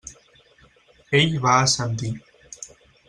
Ell va assentir.